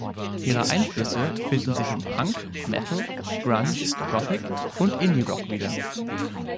Ihr Einflüsse finden sich im Punk, Metal, Grunge, Gothic und Indie Rock wieder.